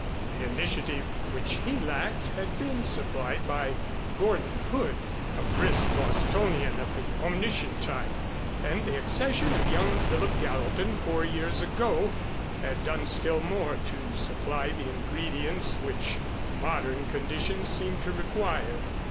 The initiative which he lacked had been supplied by Gordon Hood, a brisk Bostonian of the omniscient type; and the accession of young Philip Gallatin four years ago had done still more to supply the ingredients which modern conditions seemed to require.